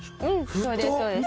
そうですそうです。